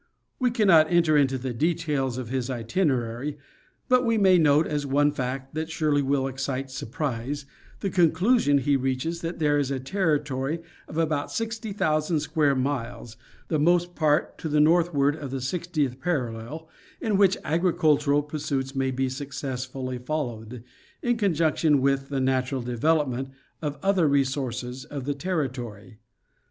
We cannot enter into the details of his itinerary, but we may note as one fact that surely will excite surprise, the conclusion he reaches that there is a territory of about 60,000 square miles, the most part to the northward of the sixtieth parallel, in which agricultural pursuits may be successfully followed in conjunction with the natural development of the other resources of the territory.